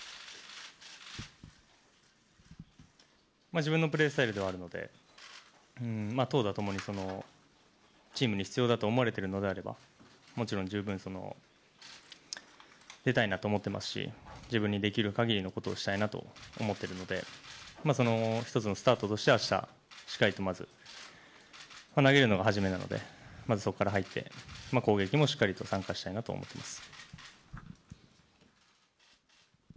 自分のプレースタイルではあるので、投打ともにチームに必要だと思われているのであれば、もちろん十分出たいなと思ってますし、自分にできるかぎりのことをしたいなと思っているので、その一つのスタートとしてあした、しっかりとまず、投げるのが始めなので、まずそこから入って、攻撃もしっかりと参加したいなと思っています。